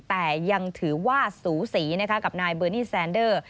แต่ยังถือว่าสูสีกับนายเบอร์นี่แซนเดอร์